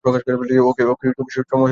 ওকে, সময় হয়ে এলো বলে!